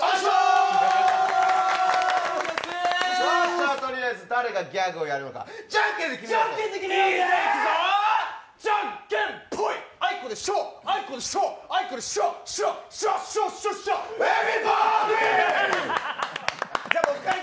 じゃあ、とりあえず誰がギャグをやるのか、じゃんけんで決めようぜ！